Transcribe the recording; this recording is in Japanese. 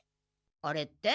あれって？